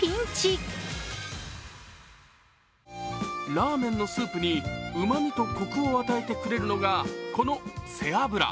ラーメンのスープにうまみとこくを与えてくれるのがこの背脂。